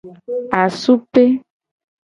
Asupe.